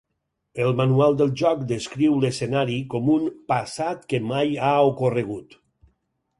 El manual del joc descriu l'escenari com un "passat que mai ha ocorregut".